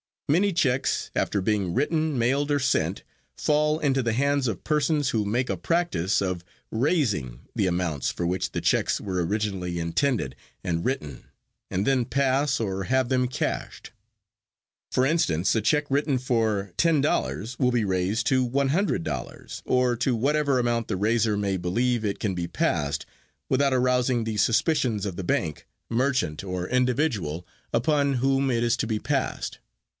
Many checks, after being written, mailed or sent, fall into the hands of persons who make a practice of "raising" the amounts for which the checks were originally intended and written, and then pass or have them cashed. For instance, a check written for ten dollars will be raised to one hundred dollars, or to whatever amount the raiser may believe it can be passed without arousing the suspicions of the bank, merchant or individual upon whom it is to be passed.